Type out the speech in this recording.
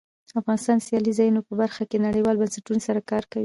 افغانستان د سیلانی ځایونه په برخه کې نړیوالو بنسټونو سره کار کوي.